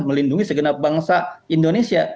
melindungi segenap bangsa indonesia